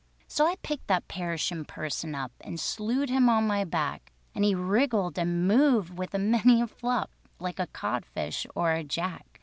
So I picked that perishin' person up, And slewed him on my back, And he wriggled and moved with many a flup Like a codfish or a jack.